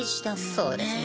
そうですね。